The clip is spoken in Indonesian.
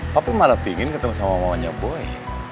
papi malah pingin ketemu sama mamanya boy